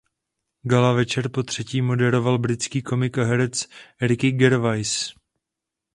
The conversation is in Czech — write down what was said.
Gala večer potřetí moderoval britský komik a herec Ricky Gervais.